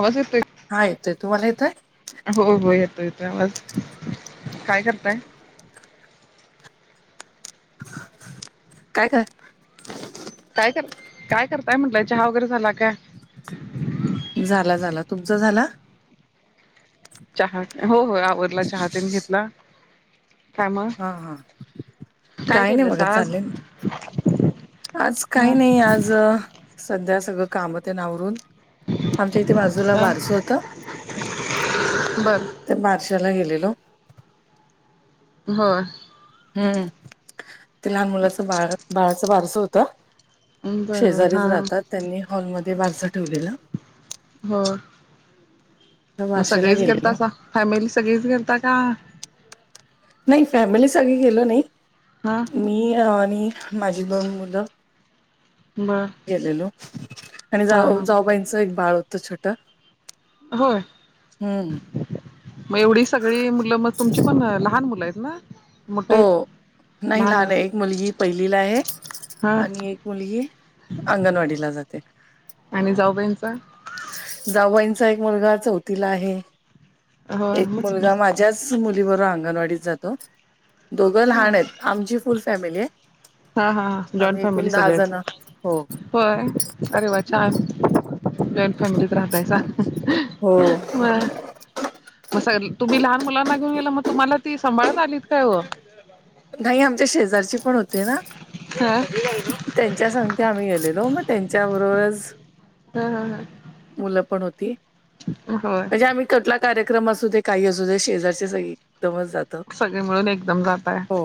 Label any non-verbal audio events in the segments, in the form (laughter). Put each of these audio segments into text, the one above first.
आवाज येतोय हा येतोय तुम्हाला येतोय? हो हो येतो येतो आवाज काय करताय? काय क काय कर काय करताय म्हटलंय चहा वगैरे झाला काय? झाला झाला तुमच झाला? चहा हो हो आवरला चहा तेन घेतला. काय मग हा हा. काय काही नाही केलंस बघा आज चालेल आज ह काही नाही आज सध्या सगळं काम त्यां नावरून आमच्या. ते बाजूला ह बारस होत बर ते बारशाला गेलेल. हो हम्म ते लहान मुलाचं बाळ बाळाच बारस होत. बर हा शेजारीच हा राहतात त्यांनी हॉलमध्ये बाारच ठेवलेला. हो त्या मग बारशाला सगळीच घेता गेलेलो का फॅमिली सगळीच घेता का? नाही फॅमिली साग गेलो नाही. हा मी आणि माझी दोण मुलं. बर गेलेलो आणि हा जाऊ हा जाऊबाईंचं एक बाळ होतं छोट होय. मग एवढी सगळी मुलं मग तुमची पण लहान मुलं आहेत ना मोठे हो आहेत नाही लहान लहानच आहे एक मुलगी पहिलीला आहे हा आणि एक मुलगी अंगणवाडीला जाते. आणि जाऊबाईनचा? जाऊबाईंचा एक मुलगा चौथीला आहे होय एक मुलगा मग माझ्याच- मुली बरो अंगणवाडीत जातो दोघं लहान आहेत आमची फुल फॅमिली आहे. हा हा जॉईंट आम्ही एकूण फॅमिली दहा सगळेच जण हो. होय अरे वा छान. जॉईंट फॅमिलीत राहतायचा हो. म- मग सग तुम्ही लहान मुलांना घेऊन गेला मग तुम्हाला ती सभाळत आली काय हो. नाही आमच्या शेजारची पण होते ना. हा त्यांच्या सग ते आम्ही गेलेलो मग त्यांच्याबरोबरच. हम हम हम मुलं पण होती. हो म्हणजे आम्ही कटला कार्यक्रम असू दे काही असजूद्या शेजारचे एकदमच जातं. सगळे मिळून एकदम जात आहे. हो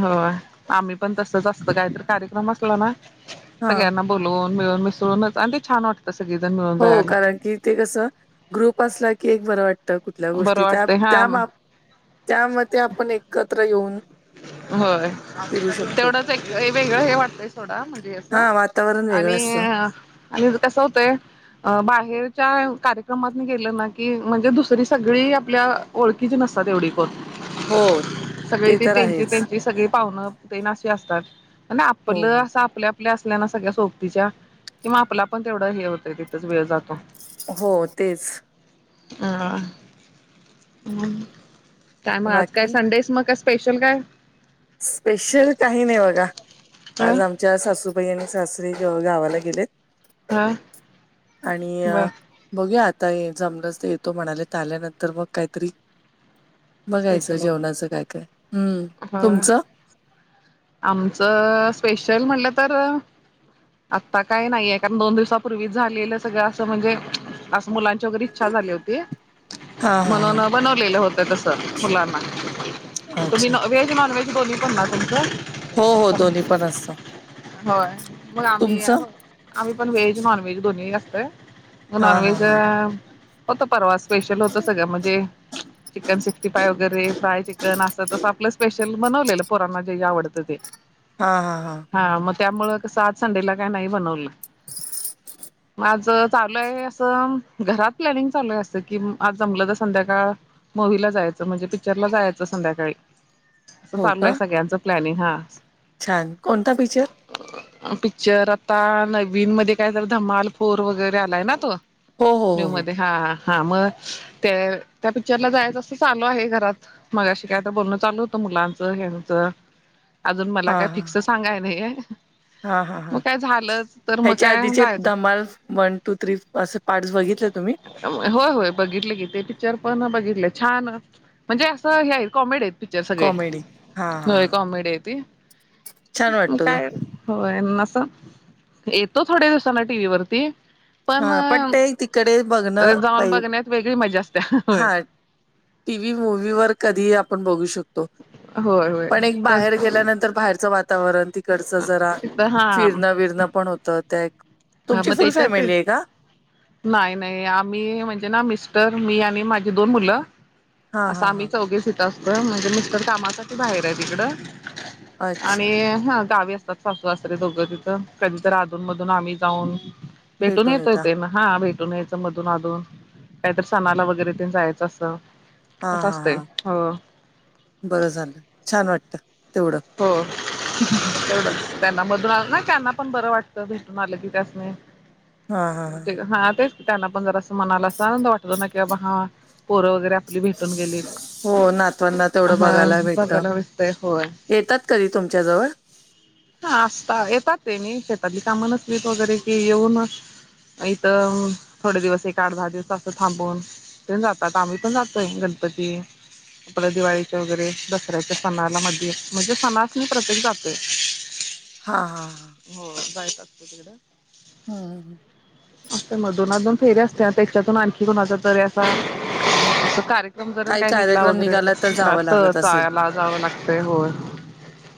हो आम्ही पण तसच असत काहीतरी कार्यक्रम असलो ना हा सगळ्यांना. बोलवून मिळून मिसळूनच आणि ते छान वाटत. त सगित त्यां- हो कारण की ते कसं ग्रुप असला की एक बरं वाटत. कुठल्या बरं गोष्टी त्या वाटतंय हा त्या त्यामध्ये आपण एकत्र येऊन. होय फिरू शकतो. तेवढंच एक वेगळं हे वाटतंय सोडा म्हणजे असं- हां, वातावरण वेगळं आणि असतं. आणि कस होतंय? अ बाहेरच्या कार्यक्रमात म गेलं ना की म्हणजे दुसरी सगळी आपल्या. ओळखीच नसतात तेवढी कर- हो ते तर आहेच त्यांची सगळी पाहुणं ते नाशी असतात प हो, आपलं हो. असं आपल्या आपल्या असल्याना सगळ्या सोबतीच्या कि म आपला पण तेवढं हे होतंय तिथच वेळ जात हो तेच अ काय मग आज काय बाकी? संडेस मग क शण काय स्पेशल काही नाही बघा ह आज आम ज्या सासूबाई आणि सासरी गावाला गेलेत हा आणि बघू आता जमलंच तर येतो म्हणाले तर आल्यानंतर मग काहीतरी बघायचं स्पेशल जेवणाचं काय काय हम्म, हो तुमचं? आमचं स्पेशल म्हणलं तर- आत्ता काय नाहीये कारण दोन दिवसापूर्वीच झालेलं सगळं असं म्हणजे असं मुलांची वगैरे इच्छा झाली होती हां, हां, म्हणून बनवलेलं होतं तस मुलांना हां. तुम् अच्छा. न व्ज नन वहेज बोल पण ना तुचं हो, हो, दोन्ही पण असतं. होय मग आम्ही तुमचं आम्ही पण व्हेज नॉन व्हेज दोन्ही अस असतय मग हा हा नॉनव्हेज हा होत परवा स्पेशल होत सगळं म्हणजे चिकन सिक्स्टी फाय वगैरे फ्राय चिकन अस तसं आपलं स्पेशल बनवलेलं पोरांना जे जे आवतं ते हा हा हा हा मग त्यामुं सात संडेला काही नाही बनवलं ग आज चालू आहे असं घरात प्लॅनिंग चालू आहे असं कि आज जमलं तर संध्याकाळ मूवी ला जायचं म्हणजे पिक्चरला जायचं संध्याकाळी अस हो चालू का आहे सगळ्यांचं प्लॅनिंग हा छान कोणता फीचर पिकच्चर आता नवीन मध्ये काय तर धमाल फोर वगैरे आलाय ना तो हो हो हो न्यू हो मध्ये हा हा मग ते त्या पिक्चरला जायचं असं चालू आहे घरात मग शिकत बोलणं चालू होतं मुलांचं हचं अजून मला हा काय हा फिक्स सांगाय नाही हा हा हा ह्याच्या काय आधीचे जायचं धमाल वन टू थ्री असे पार्ट् बघितले तुम्ही होय होय बघितले की ते पिक्चर पण बघितले छान म्हणजे असं हे कॉमेडी आहेत पिक्चर कॉमेडी हा हा सगळे हा कॉमेडी आहे त छान म वाटतो तो काय होस येतो थोड्या दिवसांना टी व्ही वरती पण हा ते तिकडे बघणं जाऊन पाहि बघण्यात वेगळी मजा असतेय टीव्ही मूवी् वर कधी आपण बघू शकतो होय होय पण एक बाहेर गेल्यानंतर बाहेरचं वातावरण त इडच जरा तिथं हा फिरणं विरणं पण होत त्या हा तुमची मग फुल त्याच्यात फॅमिली आहे का नाही नाही आम्ही म्हणजे ना मिस्टर मी आणि माझी दोन मुलं हा असं हा आम्ही चौघेस इथ असतो म्हणजे मिस्क कामासाठी बाहेर आहे तिकडं हा आणि अच्छा हा गावी असतात सासू अससरे दोघं तिथं कधी तर अधून मधून आम्ही जाऊन भेटून येतोय ते ना हा भेटून यायचं मधून अधून काहीत सणाला वगैरे ते जायचं असं हा असं हा असतंय हा हो बरं झालं छान वाटत तेवढं हो एवढं त्यांना मधून ना त्यांना पण बरं वाटत भेटून आलं की त्याच हा हा नाही हा तेच त्यांना पण जरा असं मनाला अस आनंद वाटत ना की बाबा हा पोरं वगैरे आपली भेटून गेलीत हो नातवांना तेवढं हा बघायला भेटतं बघायला विसतय होय येतात कधी तुमच्याजवळ हा असता येतात र मी शेतातली कामानचलीत वगैरे कि येऊन इथं थोडे दिवस एक आठ दहा दिवस असं थांबून पण जातात आम्ही पण जातोय गणपती आपल्या दिवाळीच्या वगैरे दसऱ्याच्या सणाला मध्ये म्हणजे सणास म प्रत्येक जाते हा हा हां हो बायत असतो तिकडं हम ह अस मधूनजून फेरी असते ना त्याच्यातून आणखी कोणाचा तरी असा कार्यक्रम जर काही काय निघला कार्यक्रम निघाला तर जावं वगैरेत लागत असेल चायाला जावं लागतंय हो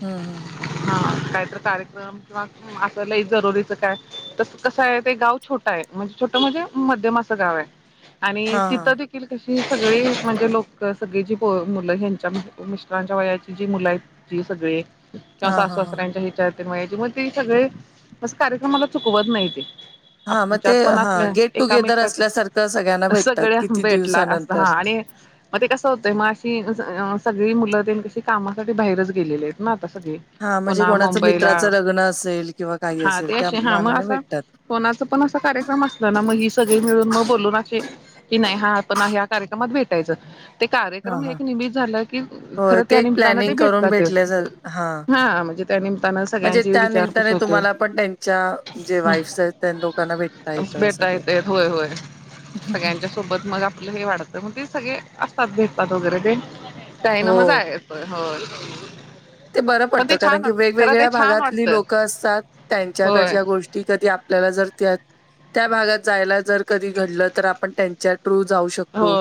हम हम हम हा काहीत्र कार्यक्रम किंवा असला जरुरीच काय तस कसं आहे ते गाव छोटं आहे म्हणजे छोटं म्हणजे मध्यम असं गाव आहे (inaudible) आणि तिथं हा त कशी सगळी म्हणजे लोक सगळी जी मुलं ह्यांच्या मिस्टरांच्या वयाची जी मुलं आहेत ज सगळे किंवा हा साफ हा साफ हा राहण्याचे मा मग ते सगळे कार्यक्रम मला चुकवत नाही ते हा मग ते आपच्यात पण हा असल्या गेट टुगेदर असल्यासारखं सगळ्यांना एकामेकाच्या भेटतात सगळ्या किती भेटला असत दिवसानंतर हा आणि मग ते कसं होतय मग अशी सगळी मुलं ते कशी कामासाठी बाहेरच गेलेली आहेत. ना आता सगळी हा म्हणजे पुन्हा कोणाचं मुंबईला मित्राचं लग्न असेल किंवा काही हा असेल ते त्या असे हा मग मानाने असा भेटतात कोनाच पण असा कार्यक्रम असल ना मग ही सगळी मिळून मग बोलून असे की नाही हा आपण ह्या कार्यक्रमात भेटायचं ते हा कार्यक्रम हे हा एक निमित झालं की हो खरं ते एक प्लॅनिंग करून भेटतात भेटले जर हा म्हणजे त्या निमित्तानं म्हणजे सगळ्यांची त्या विचारपूस निमित्ताने होते तुम्हाला पण त्या जे वाईफ्स आहेत त्या लोकांना भेटता येत भेटता सगळं येते होय होय सगळ्यांच्या सोबत मग आपलं हे वाढतं मग ते सगळे असतात भेततात वगैरे ते त्याई ना मग हो आहे व हो ते बरं पडतं कारण की वेगवेगळ्या भागातली वाटतं लोकं असतात होय त्यांच्याकडच्या गोष्टी ती कधी आपल्याला जर त्या त्या भागात जायला जर कधी घडलं तर आपण त्यांच्यात तू जाऊ हो शकतो,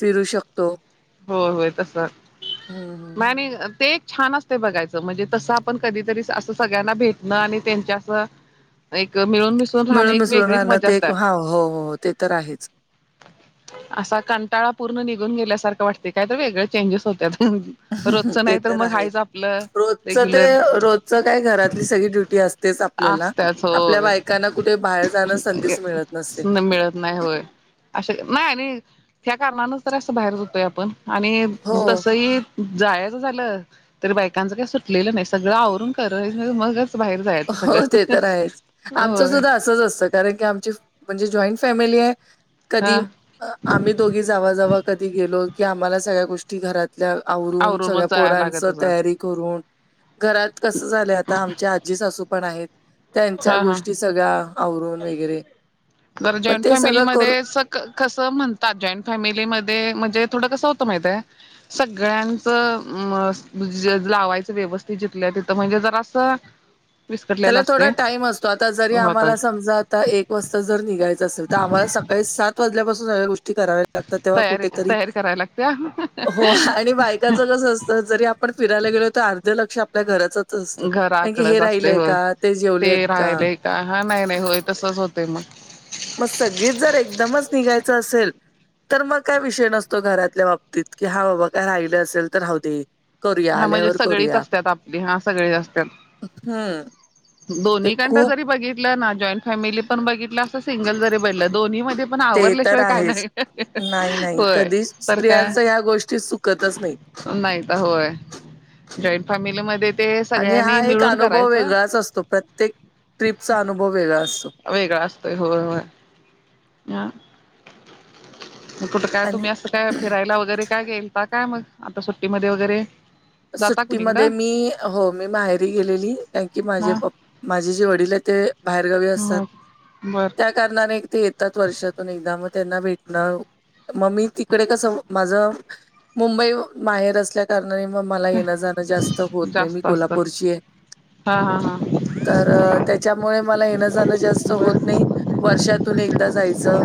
फिरू शकतो‌. हो होय तस झाल. हम्म. आणि ते एक छान असते बघायचं म्हणजे तसं आपण कधीतरी असं सगळ्यांना भेटणं आणि त्यांच्या असं एक मिळून मिसळून राहणं मिळून, एक मिसळून वेगळीच राहणं मजा ते असते ह हो हो ते तर आहेच. असा कंटाळा पूर्ण निघून गेल्यासारखं वाटते काय तर वेगळे चेंजेस होत्यात. रोजचं ते नाही तर मग आहे हायच आपलं रोजचं ते रेग्युलर रोजचं काय घरातली सगळी ड्युटी असतेच आप आपला असत्याच आपल्या होय बायकांना कुठे बाहेर जाण संधीच मिळत नसते. मिळत नाही होय अ नाही त्या कारणानच तर असं बाहेर जतोय आपण. आणि हो, तसही जायचं झालं तरी बायकांच काय सुटलेलं नाही सगळं आवरून कर मगच बाहेर जायचं हो सगळं ते तर आहेच आमचं होय सुद्धा असंच असतं. कारन की आमची म्हणजे जॉईंट फॅमिली आहे कधी हा आम्ही दोघी जावाजवा कधी गेलो की आम्हाला सगळ्या गोष्टी घरात. आवरून सगळ्या आवरूनच जायला पोरांच लागतच तयारी करून घरात कस झालं आता आमच्या आजे सासू पण आहेत त्यांच्या हा हा गोष्टी सगळ्या आवरून वगैरे जरा मग जॉईंट ते सगळं करून फॅमिलीमध्ये स कसं म्हणतात जॉईंट फॅमिलीमध्ये म्हणजे थोडं कसं होतं माहित आहे. सगळ्यांचं लावायचं व्यवस्थित जिथलं तिथं म्हणजे जर असं त्याला विस्कटलेलं थोडा असते टाइम असतो आता जरी होतय आम्हाला समजा आता एक वाजता जर निघायचं असेल तर आम्हाला सकाळी सात वाजल्यापासून सगळ्या गोष्टी कराव्या लागतात. तेव्हा तयारी कुठेतरी तयारी करायला लागते हो आणि बायकाच कस असत जरी आप आपण फिरायला गेलो तर अर्ध लक्ष आपल्या घराचच असतं कारण की हे घराकडच असते राहिलंय. ते राहिलेय का हा नाही नाही होय तसच होत मग. मग सगळीच जर एकदमच निघायचं असेल. तर मग काय विषय नसतो घरातल्या बाबतीत की हा बाबा काय राहिलं असेल तर राहुदे. हा म्हणजे सगळीच असतात आपली हा सगळी असतात. हं, ते दोन्ही कंड खूप जरी बघितलं ना जॉईंट फॅमिली पण बघितलं अस सिंगल जरी बनलं दोन्ही मध्ये पण ते आवरल्याशिवाय काय नाही. कधी तर काय स्त्रियांचा ह्या गोष्टी चुकतच नाही. नाही तर होय. जॉईंट फॅमिलीमध्ये ते आणि सगळ्यांनी हा एक मिळून अनुभव करायचं वेगळाच असतो प्रत्येक ट्रीपचा अनुभव वेगळा असतो. वेगळा असतोय होय होय ह कुठं काय आणि तुम्ही असं काय फिरायला वगैरे काय गेलाता काय मग आता सुट्टीमध्ये वगैरे? जाता सुट्टीमध्ये कुणीकडं मी हो मी बाहेर गेलेली कारण की हा माझे पप्पा माझे जे वडील आहे ते बाहेरगावी असतात. बरं.. त्या कारणाने एक ते येतात वर्षातून एकदा मग त्यांना भेटणं मग मी तिकडे कस म माझ मुंबई माहेर असल्या कारणाने मग मला येण जाणं जास्त होत नाही मी जास्त असतात कोल्हापूरची आहे. हा हा हा तर अ त्याच्यामुळे मला येणं जाणं जास्त होत बर नाही वर्षातून एकदा जायचं.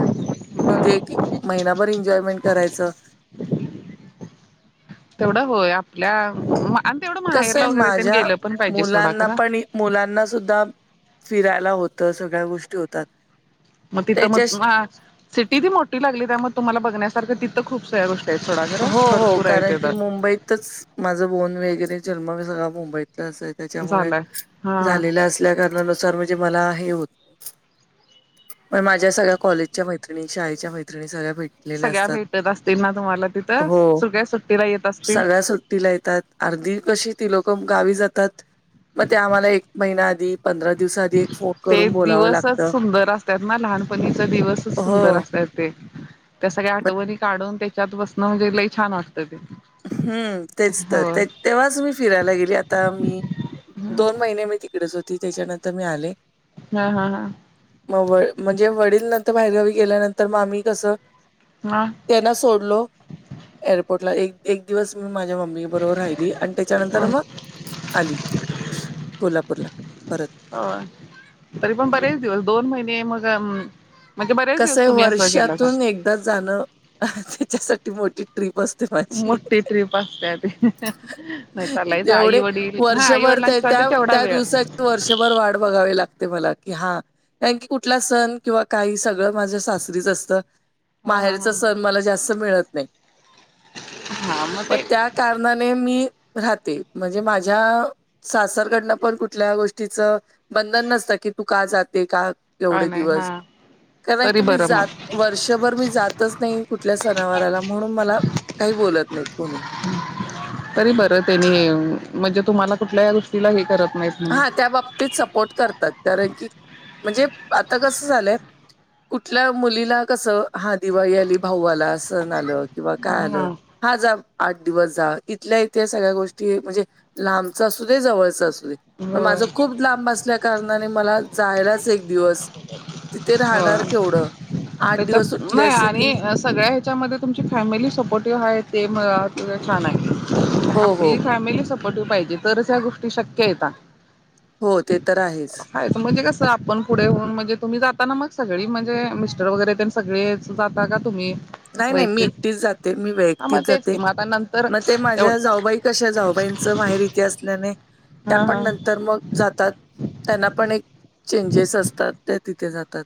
तिथे बर एक एक महिनाभर एन्जॉयमेंट करायचं. तेवढं होय आपल्या मा आणि तेवढं कसं माहेरला आहे वगैरे त्यांनी माझ्या गेलं पण पाहिजे सोडा मुलांना खरं. पण मुलांना सुद्धा फिरायला होतं सगळ्या गोष्टी होतात. मग तिथं त्याच्या मग ना सिटी बी ती मोठी लागली त्या मग तुम्हाला बघण्यासारखं ति खूप सऱ्या गोष्टी आहेत थोडा घरा हो हो भरपूर आहेत कारण की तर मुंबईतच. माझं बोन वगैरे जन्म बी झाला सगळा मुंबईतला असाय त्याच्यामुळे झालंय हा झालेल्या असल्या कारणानुसार म्हणजे मला हे होत नाही. पण माझ्या सगळ्या कॉलेजच्या मैतिणी शाळेच्या मैतिणी सगळ्या भेट सगळ्या भेटत असतील ना तुम्हाला तिथं सुगळ्या सुट्टीला येत असतील. तीला येतात अर्धी कशी ती लोक गावी जातात मग ते आम्हाला एक महिना आधी पंधरा दिवसा आधी एक फोन ते करून बोलावं दिवसच लागतं सुंदर असतात ना लहानपणीचा दिवसच हो सुंदर असतात. ते त्या सगळ्या म आठवणी काढून त्याच्यात बसणं म्हणजे लई छान वाटतं ते. हम्म तेच तर हो ते तेव्हाच मी फिरायला गेली आता मी दोन हम्म महिने मी तिकडेच होती त्याच्यानंतर मी आले. हा हा हा. मग व म्हणजे वडील नंतर बाहेरगावी गेल्यानंतर मग आम्ही कसं हा. त्यांना सोडलो एअरपोर्टला एक एक दिवस मी माझ्या मम्मी मी बरोबर राहिली आणि त्याच्यानंतर मग आली कोल्हापूरला परत. होय तरी पण बरेच दिवस दोन महिने मग म्हणजे बरेच दिवस तुम्ही असं केला का त जाणं त्याच्यासाठी मोठी ट्रीप अस मोठी ट्रिप असत्यात नाही चालायचं आई एवढे वडील हा वर्षभर आईवडिलां त्या शी त्या दिवसा वर्षभर वाढ बघावी लागते मला की हा काय की कुठला सण किंवा काही स सगळ माझ्या सासरीच असत हा हा हा माहेरचा सण मला जास्त मिळत नाही. हा मग ते त्या कारणाने मी राहते म्हणजे माझ्या सासरकडनं पण कुठल्या गोष्टीच बंधन नसतं की तू का जाते का काय एवढे नाही हा. दिवस कारण तरी की मी बरं जात मग वर्षभर मी जातच नाही कुठल्या सनावराला म्हणून मला काही बोलत नाही कोणी. तरी बरं तेनी म्हणजे तुम्हाला कुठल्या या गोष्टीला हे करत नाही. हा त्या बाबतीत सपोर्ट करतात कारण की म्हणजे आता कसं झालंय कुठल्या मुलीला कसं हा दिवाळी आली भाऊवाला सण आलं किंवा काय आलं हा जा आठ दिवस जा इथल्या इथ्या सगळ्या गोष्टी म्हणजे लांबच असू दे जवळच असू दे पण होय माझं खूप लांब असल्या कारणाने मला जायलाच एक दिवस तिथे राहणार होय केवढं आठ त्याच्यात दिवस उठले नाही असे की आणि सगळ्या ह्याच्यामध्ये तुमची फॅमिली सपोर्टिव्ह आहे ते म अ ग छान आहे. हो, हो. आपली फॅमिली सपोर्टिव्ह पाहिजे तरच या गोष्टी शक्य येत. हो ते तर आहेच. आहे तर म्हणजे कस (unintelligible) आपण पुढे होऊन म्हणजे तुम्ही जाता ना मग सगळी म्हणजे मिस्टर वगैरे सगळे जाता का तुम्ही नाही असं नाही मी एकटे एकटीच जाते मी हा एकटीच मग तेच जाते की मग आता नंतर मग ते माझ्या एवढं जाऊबाई कशा जाऊबाईच माहीर इथे असल्याने त्या हा पण हा नंतर मग. जातात त्यांना पण एक चेंजेस असतात ते तिथे जातात.